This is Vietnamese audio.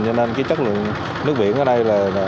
cho nên chất lượng nước biển ở đây